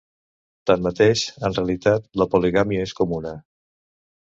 Tanmateix, en realitat, la poligàmia és comuna.